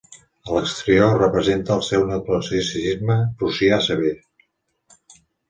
A l'exterior representa el neoclassicisme prussià sever.